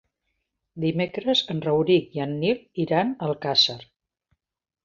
Dimecres en Rauric i en Nil iran a Alcàsser.